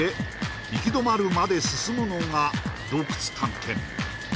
行き止まるまで進むのが洞窟探検